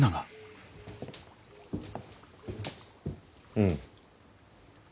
うん。